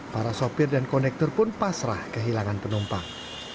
para sopir dan konektor pun pasrah kehilangan penumpang